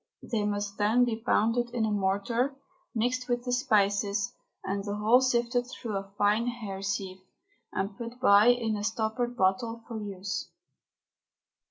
They must then be pounded in a mortar, and mixed with the spices, and the whole sifted through a fine hair sieve and put by in a stoppered bottle for use.